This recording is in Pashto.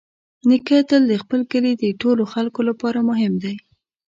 نیکه تل د خپل کلي د ټولو خلکو لپاره مهم دی.